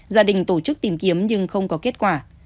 gia đình tổ chức tìm kiếm nhưng không có kết quả